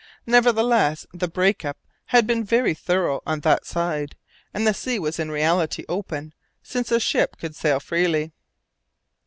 Nevertheless, the break up had been very thorough on that side, and the sea was in reality open, since a ship could sail freely.